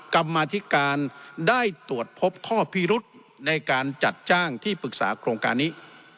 กรรมาธิการได้ตรวจพบข้อพิรุธในการจัดจ้างที่ปรึกษาโครงการนี้